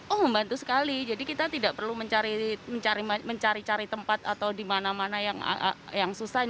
oh membantu sekali jadi kita tidak perlu mencari cari tempat atau di mana mana yang susah